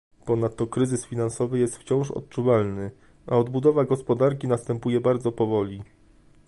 Ponadto kryzys finansowy jest wciąż odczuwalny, a odbudowa gospodarki następuje bardzo powoli